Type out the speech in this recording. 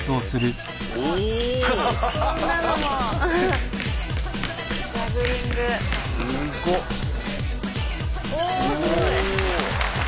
すごい。